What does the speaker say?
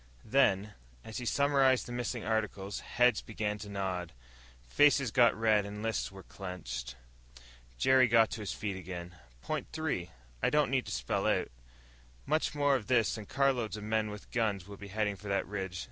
Then, as he summarized the missing articles, heads began to nod. Faces got red and lists were clenched. Jerry got to his feet again. "Point three, I don't need to spell out. Much more of this and carloads of men with guns will be heading for the ridge.